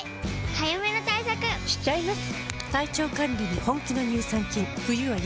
早めの対策しちゃいます。